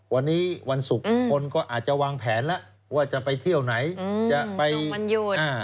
วันนี้วันศุกร์อืมคนก็อาจจะวางแผนละว่าจะไปเที่ยวไหนอืมจะไปตรงวันยูนอ่า